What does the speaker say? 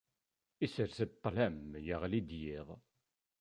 Isers-d ṭṭlam, iɣli-d yiḍ.